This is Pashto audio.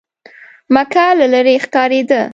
مکه له لرې ښکارېده.